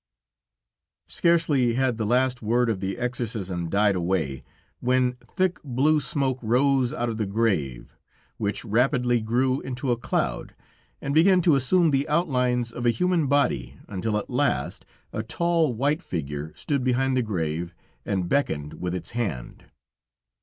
] Scarcely had the last word of the exorcism died away, when thick, blue smoke rose out of the grave, which rapidly grew into a cloud, and began to assume the outlines of a human body, until at last a tall, white figure stood behind the grave, and beckoned with its hand.